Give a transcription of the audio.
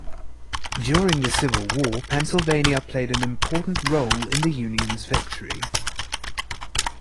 During the Civil War, Pennsylvania played an important role in the Union's victory.